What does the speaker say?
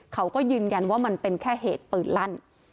เขาก็ยืนยันว่ามันเป็นแค่เหตุปืนลั่น